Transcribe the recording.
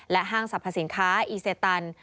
ห้างสรรพสินค้าอีเซตัน